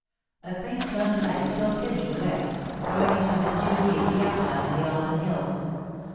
A faint lemon light still tinged the west, throwing into misty relief the outline of the Alban hills.